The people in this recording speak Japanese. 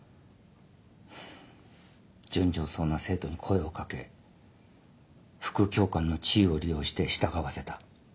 純情そうな生徒に声を掛け副教官の地位を利用して従わせた。